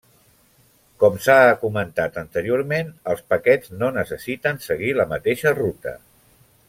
Com s'ha comentat anteriorment, els paquets no necessiten seguir la mateixa ruta.